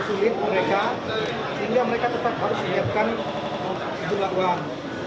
sehingga mereka harus tetap menyiapkan jumlah uang